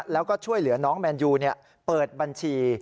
แล้วก็ช่วยเหลือน้องแมนยูเปิดบัญชี